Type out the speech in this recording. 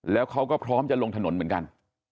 แล้วเขาก็พร้อมจะลงถนนเหมือนกัน